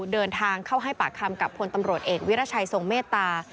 เดินทางเข้าให้ปากคำกับพลตำรวจเอกวิรัชัยทรงเมตตา